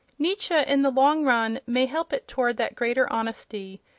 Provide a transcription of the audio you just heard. Nietzsche, in the long run, may help it toward that greater honesty.